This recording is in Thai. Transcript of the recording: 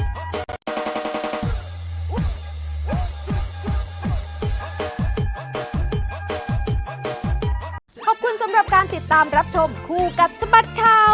ขอบคุณสำหรับการติดตามรับชมคู่กับสบัดข่าว